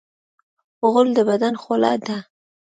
غول د بدن خوله ده.